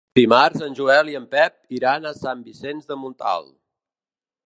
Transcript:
Dimarts en Joel i en Pep iran a Sant Vicenç de Montalt.